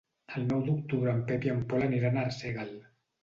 El nou d'octubre en Pep i en Pol aniran a Arsèguel.